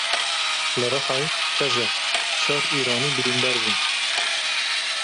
Li Rihayê qeza çar Îranî birîndar bûn.